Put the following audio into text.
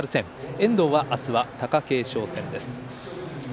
遠藤は明日、貴景勝戦です。